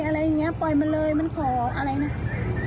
อะไรอย่างนี้ปล่อยมันเลยมันขออะไรนะ